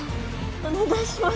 お願いします